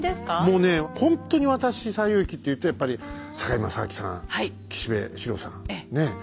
もうねほんとに私「西遊記」っていうとやっぱり堺正章さん岸部四郎さんねえ西田敏行さん。